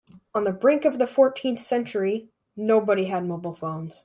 On the brink of the fourteenth century, nobody had mobile phones.